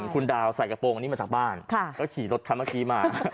เขากลับขี่รถทั้งะทีมา